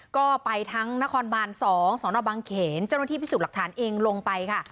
ก็ไปทั้งนครบาลสองสอนับบังเขญจับรวจธิภิสูจน์รักฐานเองลงไปค่ะ